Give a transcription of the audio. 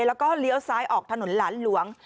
แล้วก็เลี้ยวซ้ายออกถนนหลานหลวง